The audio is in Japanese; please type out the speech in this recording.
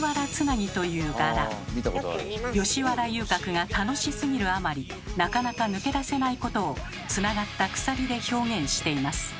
吉原遊郭が楽しすぎるあまりなかなか抜け出せないことをつながった鎖で表現しています。